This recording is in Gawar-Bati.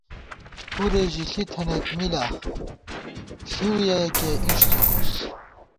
پُرے ژِݪی تھنَئیت می لا ، ݪِؤ یَیَکِیہ اِݭ څوکوس